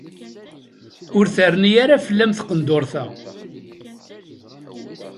Ur terni ara fell-am tqendurt-a.